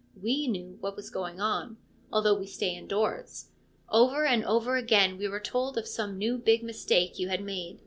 We knew what was going on, although we stay indoors. Over and over again we were told of some new big mistake you had made.